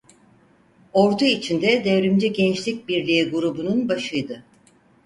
Ordu içinde Devrimci Gençlik Birliği grubunun başıydı.